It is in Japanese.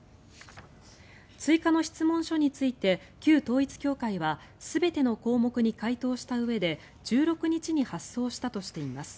追加の質問書について旧統一教会は全ての項目に回答したうえで１６日に発送したとしています。